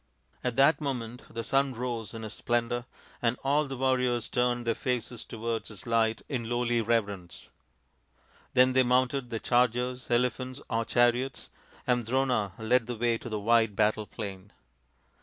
At that moment the sun rose in his splendour, THE FIVE TALL SONS OF PANDU 109 and all the warriors turned their faces towards its light in lowly reverence. Then they mounted their chargers, elephants, or chariots, and Drona led the way to the wide battle plain.